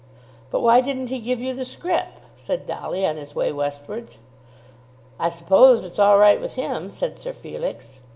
"But why didn't he give you the scrip?" said Dolly on his way westwards. "I suppose it's all right with him," said Sir Felix.